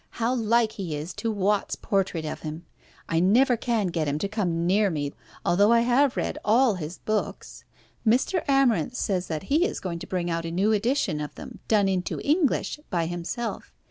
How like he is to Watts' portrait of him! I never can get him to come near me, although I have read all his books. Mr. Amarinth says that he is going to bring out a new edition of them, 'done into English' by himself.